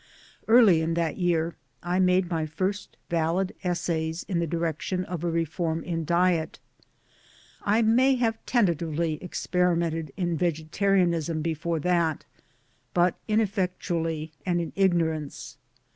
Early in that year I made my first Valid essays in the direction of a reform in diet. I may have tentatively experimented in vegetarianism before that, but ineffectually and in ignorance.